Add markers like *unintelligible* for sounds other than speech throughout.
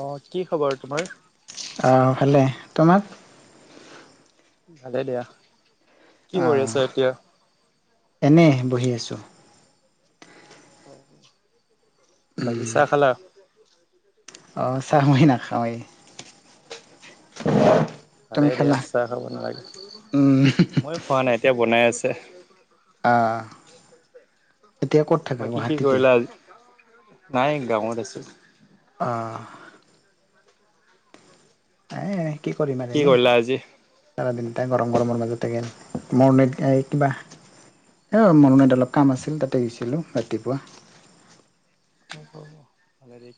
অহ কি খবৰ তোমাৰ। অ' ভালে তোমাৰ। ভালে দিয়া। কৰি আহ আছা এতিয়া এনে। বহি আছো। বাকী চাহ খালা। অহ চাহ মই নাখাও এই। ভালে দিয়া চাহ খাব নালাগে, উম ময়ো খোৱা নাই, এতিয়া বনাই আছো। আছে। *inaudible* আহ এতিয়া ক'ত থাকা বাকী কি গুৱাহাটীতে। কৰিলা আজি নাই গাঁৱত আছো। অহ। *unintelligible* কি কৰিম বাকী আৰু এনেই কৰিলা আজি চাৰ দিন ত অ গৰম গৰমৰ লাগি থাকে। মোৰনৈত কিবা মৰণিত অলপ কাম আছিল তাতে গৈছিলো ৰাতিপুৱা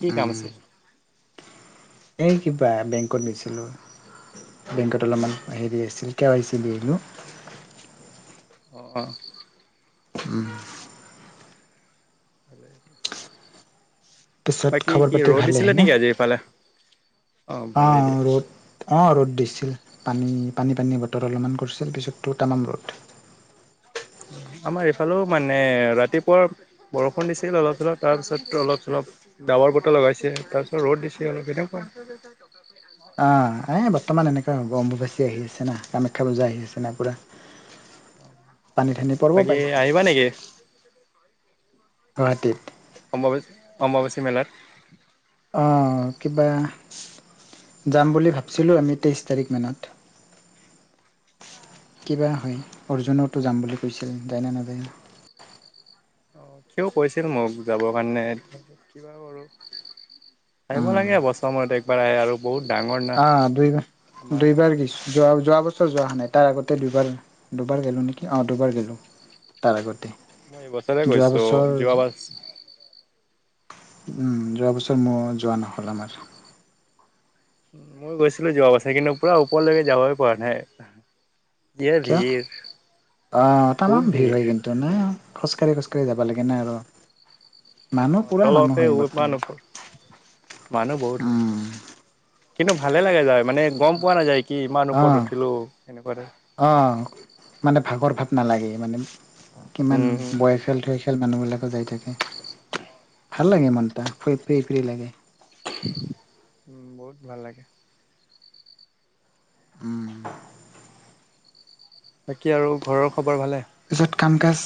কি কাম উম আছে? এই কিবা বেংকত গৈছিলো । বেংকত অলপমান হেৰি আছিল। কে ৱাই ছি দি আহিলো। অহ। উম। *inaudible* পিছত বাকী খবৰ কি পাতি ৰ'দ ভালে দিছিলে আহিবনে, নেকি আজি এইফালে অ ভালেই দিয়া অ' ৰ'দ, অ ৰ'দ দিছে। পানী, পানী, পানী বতৰ অলপমান কৰিছিল, পিছত টো তামাম ৰ'দ। আমাৰ ইফালেও মানে ৰাতিপুৱা বৰষুণ দিছিল অলপ-চলপ তাৰপিছত অলপ-চলপ ডাৱৰ বতৰ লগাইছে তাৰপিছত ৰ'দ দিছে, অলপ সেনেকুৱা অ, এ বৰ্তমান এনেকে অম্বুবাচী আহি আছে না, কামাখ্যা পূজা আহি আছে না পুৰা পানী ঠানি পৰিব বাকি পাই আহিবা নেকি? গুৱাহাটীত? অম্বুবাচী মেলাত। অ কিবা যাম বুলি ভাবছিলো আমি তেইছ তাৰিখ মানত কিবা হয়, অৰ্জুনতো যাম বুলি কৈছিল, যায় নে নাযায়। সিওঁ কৈছিল মোক যাবৰ কাৰণে। কিবা কৰো আহিব উম, লাগে বছৰ মত একবাৰ আহে আৰু বহুত ডাঙৰ না অ দুই আমাৰ -দুইবাৰ গৈছো। যোৱা যোৱা বছৰ যোৱা হোৱা নাই তাৰ আগতে দুবাৰ-দুবাৰ গেলোঁ নেকি অ দুবাৰ গলোঁ তাৰ আগতে। মই এইবছৰে যোৱা গৈছো বছৰ ।যোৱা বছ যোৱা বছৰ মই যোৱা নহ'ল, আমাৰ। মই গৈছিলো যোৱা বছৰ, কিন্তু পোৰা ওপৰলৈকে যাবই পৰা নাই। যিয়ে কিয় ভিৰ আহ', তামান ভিৰ হয়, কিন্তু ন'। খোচ কা খোজা কাঢ়ি, খোজ কাঢ়ি যাব লাগে উম, নাই আৰু। অ মানুহ পুৰা মানুহ তলপ *unintelligible* হয় বৰ্তমান ইমান ওপৰত মানুহ বহুত হয়, উম কিন্তু ভালে লাগে যায়। মানে, গম পোৱা নাযায় কি, ইমান ওপৰত অ', উঠিলো, সেনেকুৱাতে, অ'। মানে ভাগৰ ভাৱ নালাগে মানে ।কিমান উম, উম, বয়সিয়াল-থৈসিয়াল মানুহবিলাকো যাই থাকে। ভাল উম, লাগে ইন এটা ফ্ৰী লাগে। উম, বহুত ভাল লাগে। উম। বাকী আৰু ঘৰৰ খবৰ ভালে? তাৰপিছত কাম কাজ,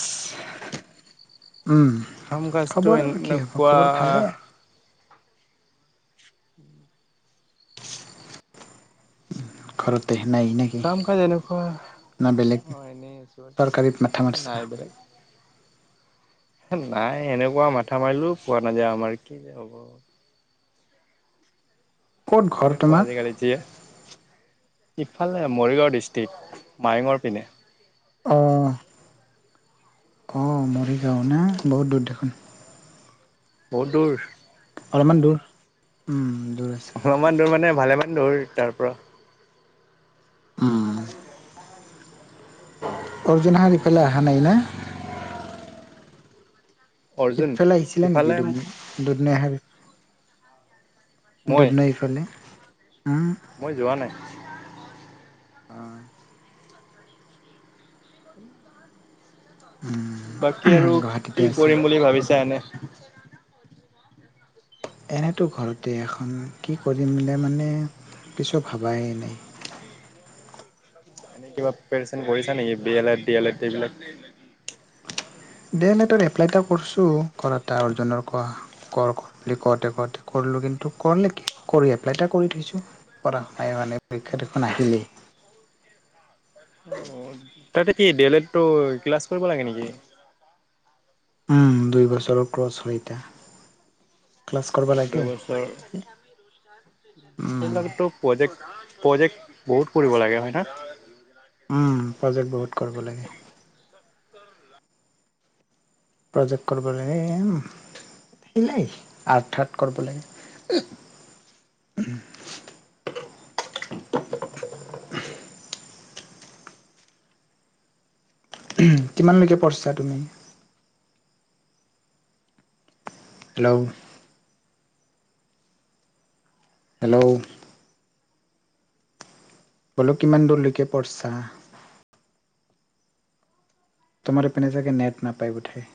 উম খাম কাষ্টটো খবৰ আৰু কি হ'ব এনেকুৱা খবৰ ভালে ঘৰতে। নাই নেকি কাম কাজ এনেকুৱা না বেলেগ এনেই আছোঁ আৰু চৰকাৰীত মাথা মাৰছা নাই বেলেগ। নাই এনেকুৱা মাথা মাৰিলেও পোৱা নাযায় আমাৰ কি যে হ'ব, ক'ত ঘৰ উমে পোৱা তোমাৰ দে কালিজিয়ে *unintelligible* ইফালে মৰিগাঁও ডিচটীক, মায়ঙৰ পিনে, অঁ অঁ মৰিগাঁও না বহুত দূৰ দেখোন। বহুত দূৰ। অলপমান দূৰ। দূৰ আছে অলপমান দূৰ মানে ভালে মানে ধৰি তাৰপৰা উ'। হয় অৰ্জুন হাৰফালে আহা নাই না অৰ্জুন সিফালে আহিছিলে নেকি ইফালে দু দুদনোৰ *unintelligible* মই দুধনৈফালে। মই যোৱা নাই, আহ। বাকী আৰু উম গুৱাহাটীতে কি আছিল কৰিম বুলি ভাবিছা এনে *inaudible* এনেতো ঘৰতে এখন কি কৰিম মানে কিছু ভাবাই নাই এনে কিবা পিপেৰেচন কৰিছা নেকি বি এ লেড ডি এ লেড সেইবিলাক ডি এল এডতত এপ্লাই এটা কৰিছোঁ কৰা এটা অৰ্জুনৰ ক কৰ কৰ বুলি কতে কৰতে কৰলোঁ কিন্তু কৰ নে কি কৰি এপ্লাই এটা কৰি থৈছোঁ কৰা মানে পৰীক্ষা দেখোন আহিলেই অ তাতে কি ডিএল এডটো ক্লাছ কৰিব লাগে নেকি উম দুই বছৰৰ ক্ৰছ হয় এটা অঁ দুবছৰ উম এইবিলাকতো প্ৰজেক্ট প্ৰজেক্ট বহুত কৰিব লাগে হয় না উম প্ৰজেক্ট বহুত কৰিব লাগে প্ৰজেক্ট কৰিব লাগে মিলাই আৰ্টট চাৰ্ট কৰিব লাগে কিমানলৈকে পঢ়িছা তুমি হেল্ল' হেল্ল' বোলো কিমান দূৰলৈকে পঢ়ছা তোমালোক এপিনে চাগে নেট নাপাই বোধহয়